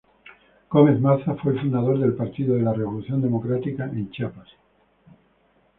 Gómez Maza fue fundador del Partido de la Revolución Democrática en Chiapas.